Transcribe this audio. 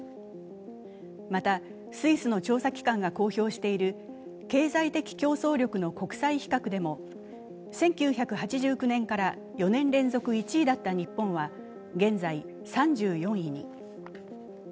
またスイスの調査機関が公表している経済的競争力の国際比較でも１９８９年から４年連続１位だった日本は現在３４位に。